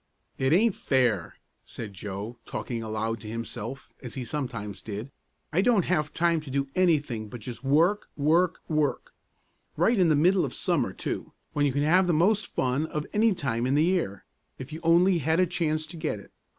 "It aint fair!" said Joe, talking aloud to himself, as he sometimes did. "I don't have time to do anything but just work, work, work. Right in the middle of summer, too, when you can have the most fun of any time in the year, if you only had a chance to get it!